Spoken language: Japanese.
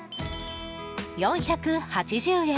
４８０円！